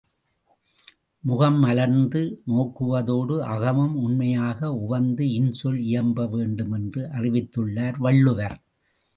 முகம் மலர்ந்து நோக்குவதோடு அகமும் உண்மையாக உவந்து இன்சொல் இயம்பவேண்டும் என்று அறிவித்துள்ளார் வள்ளுவர்.